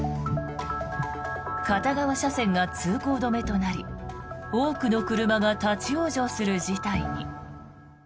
片側車線が通行止めとなり多くの車が立ち往生する事態に。